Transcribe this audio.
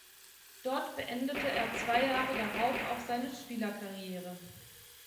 Dort beendete er zwei Jahre darauf auch seine Spielerkarriere.